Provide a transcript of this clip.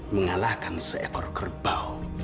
mengalahkan seekor kerbau